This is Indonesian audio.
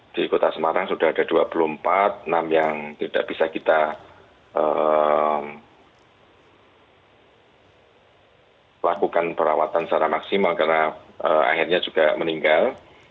di kota semarang sudah ada dua puluh empat enam yang tidak bisa kita lakukan perawatan secara maksimal karena akhirnya juga meninggal